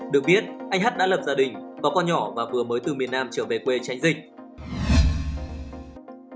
được biết anh hát đã lập gia đình có con nhỏ và vừa mới từ miền nam trở về quê tránh dịch